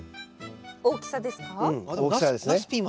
大きさですか？